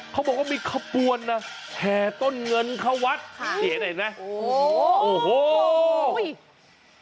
เขาบอกว่ามีข้าวปวลแห่ต้นเงินเข้าวัดเดี๋ยวได้เห็นไหม